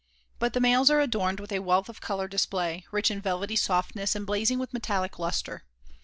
But the males are adorned with a wealth of color display, rich in velvety softness and blazing with metallic lustre.